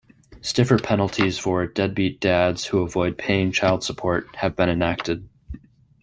Stiffer penalties for "deadbeat dads" who avoid paying child support have been enacted.